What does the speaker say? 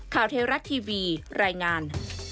ข่าวเทราะห์ทีวีรายงาน